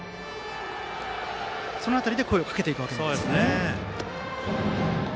その辺りで声をかけていくんですね。